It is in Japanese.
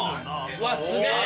うわっすげえ！